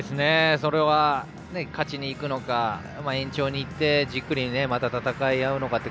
勝ちに行くのか延長にいってじっくり戦い合うのか。